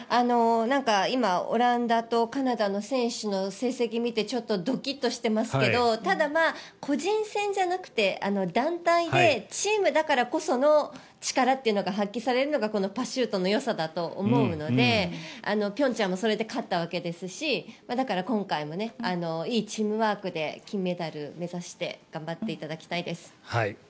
今、オランダとカナダの選手の成績を見てちょっとドキッとしてますけどただ、個人戦じゃなくて団体でチームだからこその力というのが発揮されるのがパシュートのよさだと思うので平昌もそれで勝ったわけですし今回もいいチームワークで金メダル目指して頑張っていただきたいです。